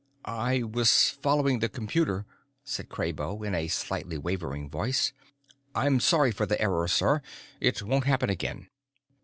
"I was following the computer," said Kraybo, in a slightly wavering voice. "I'm sorry for the error, sir; it won't happen again."